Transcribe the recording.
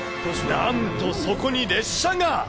なんと、そこに列車が。